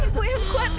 ibu yang kuat